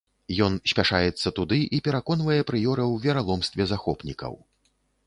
Ён спяшаецца туды і пераконвае прыёра ў вераломстве захопнікаў.